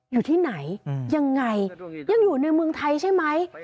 อยู่ที่ไหนยังไงยังอยู่ในเมืองไทยใช่ไหม